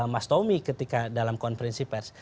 mas tommy ketika dalam konferensi pers